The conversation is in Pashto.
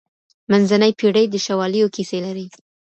منځنۍ پېړۍ د شواليو کيسې لري.